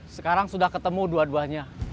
sekarang sudah ketemu dua duanya